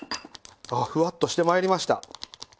ふわっとして参りました。